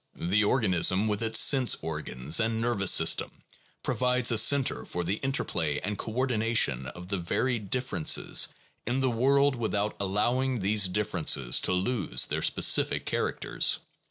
The organism with its sense organs and nervous system provides a center for the interplay and co ordination of the varied differences in the world without allowing these differences to lose their specific characters.